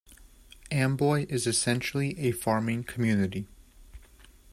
Amboy is essentially a farming community.